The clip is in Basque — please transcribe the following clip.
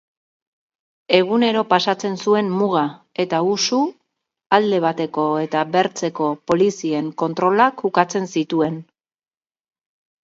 Egunero pasatzen zuen muga eta usu alde bateko eta bertzeko polizien kontrolak ukaten zituen.